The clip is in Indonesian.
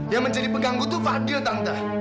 yang menjadi pengganggu itu fadil tamta